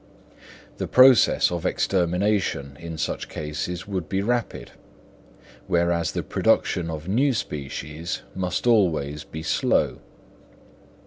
The process of extermination in such cases would be rapid, whereas the production of new species must always be slow.